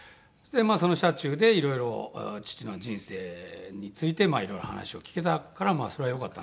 その車中でいろいろ父の人生についていろいろ話を聞けたからまあそれはよかったなと。